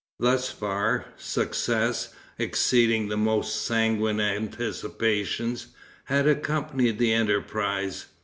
Thus far, success, exceeding the most sanguine anticipations, had accompanied the enterprise.